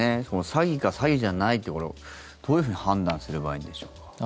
詐欺か詐欺じゃないっていうところどういうふうに判断すればいいんでしょうか。